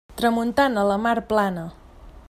Tramuntana, la mar plana.